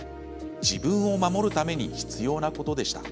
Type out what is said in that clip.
自分を守るために必要なことでした。